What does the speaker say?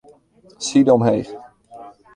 Side omheech.